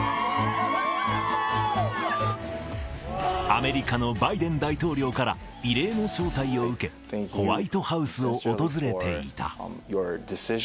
アメリカのバイデン大統領から、異例の招待を受け、ホワイトハウスを訪れていた。